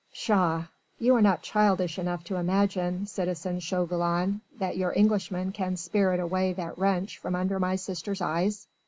"Pshaw! you are not childish enough to imagine, citizen Chauvelin, that your Englishman can spirit away that wench from under my sister's eyes?